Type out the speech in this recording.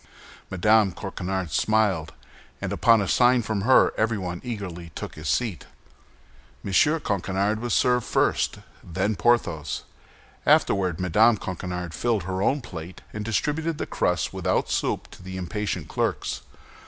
Mme. Coquenard smiled, and upon a sign from her everyone eagerly took his seat. M. Coquenard was served first, then Porthos. Afterward Mme. Coquenard filled her own plate, and distributed the crusts without soup to the impatient clerks.